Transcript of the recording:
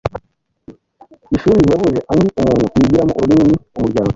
Ishuri rihebuje andi umuntu yigiramo uru rurimi ni umuryango